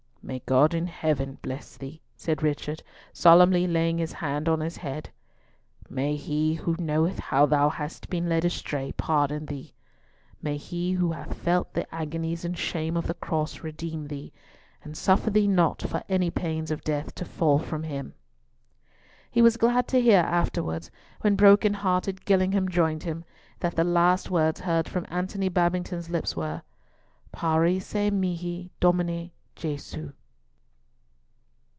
"May God in Heaven bless thee!" said Richard, solemnly laying his hand on his head. "May He, Who knoweth how thou hast been led astray, pardon thee! May He, Who hath felt the agonies and shame of the Cross, redeem thee, and suffer thee not for any pains of death to fall from Him!" He was glad to hear afterwards, when broken hearted Gillingham joined him, that the last words heard from Antony Babington's lips were—"Parce mihi, Domine JESU!"